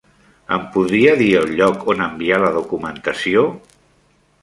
Em podria dir el lloc on enviar la documentació?